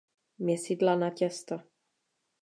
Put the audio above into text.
Měsidla na těsto.